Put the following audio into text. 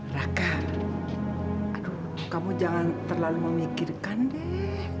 raka aduh kamu jangan terlalu memikirkan deh